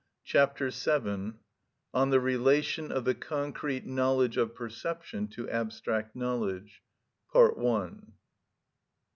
Chapter VII.(19) On The Relation of the Concrete Knowledge of Perception to Abstract Knowledge.